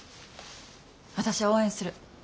私は応援する。